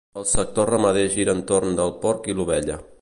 El sector ramader gira entorn del porc i l'ovella.